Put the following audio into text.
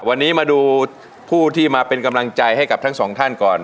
วันนี้มาดูผู้ที่มาเป็นกำลังใจให้กับทั้งสองท่านก่อน